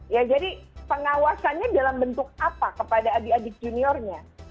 ya jadi pengawasannya dalam bentuk apa kepada adik adik juniornya